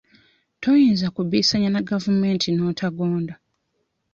Toyinza kubbiisanya na gavumenti n'otagonda.